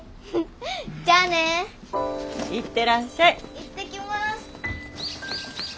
行ってきます。